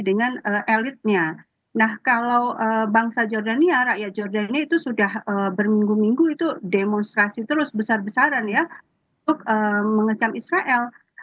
dengan elitnya nah kalau bangsa jordani rakyat jordania itu sudah berminggu minggu itu demonstrasi terus besar besaran ya untuk mengecam israel